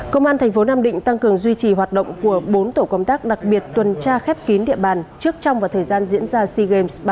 công an thành phố nam định tăng cường duy trì hoạt động của bốn tổ công tác đặc biệt tuần tra khép kín địa bàn trước trong và thời gian diễn ra sea games ba mươi